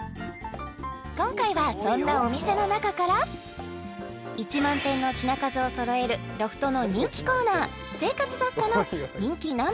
今回はそんなお店の中から１万点の品数をそろえるロフトの人気コーナー生活雑貨の人気Ｎｏ．１